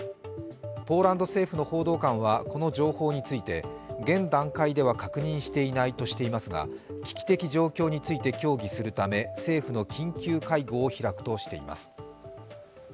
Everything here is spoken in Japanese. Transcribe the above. ポーランド政府の報道官はこの情報について、現段階では確認していないとしていますが危機的状況について協議するため政府の緊急会合を開くとしています。